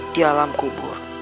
di alam kubur